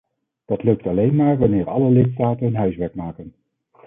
Dat lukt alleen maar wanneer alle lidstaten hun huiswerk maken.